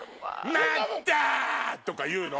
「また！」とか言うの。